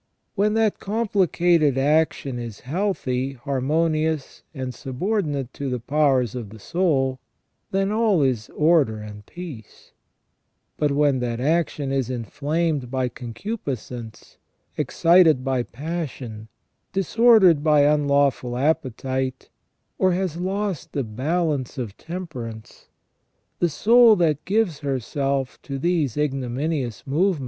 When that com plicated action is healthy, harmonious, and subordinate to the powers of the soul, then all is order and peace; but when that action is inflamed by concupiscence, excited by passion, dis ordered by unlawful appetite, or has lost the balance of tem perance, the soul that gives herself to these ignominious move THE SECONDARY IMAGE OF GOD IN MAN.